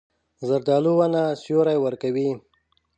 زردالو ونه سیوری ورکوي.